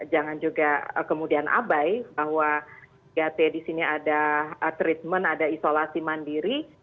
jangan juga kemudian abai bahwa tiga t di sini ada treatment ada isolasi mandiri